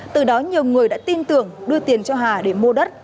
từ đó nhiều người đã tin tưởng đưa tiền cho hà để mua đất